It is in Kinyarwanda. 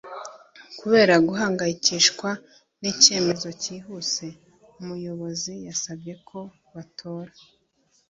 kubera guhangayikishwa n'icyemezo cyihuse, umuyobozi yasabye ko batora